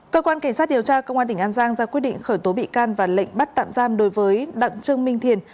cơ quan cảnh sát điều tra công an tỉnh an giang ra quyết định khởi tố bị can và lệnh bắt tạm giam đối với đặng trương minh thiền